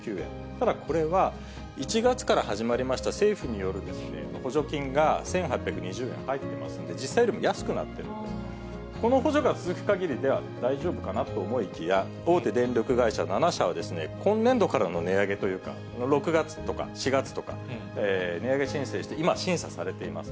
ただこれは、１月から始まりました政府による補助金が１８２０円入ってますんで、実際よりも安くなってるんで、この補助が続くかぎり、では大丈夫かなと思いきや、大手電力会社７社は今年度からの値上げというか、６月とか７月とか、値上げ申請して、今審査されています。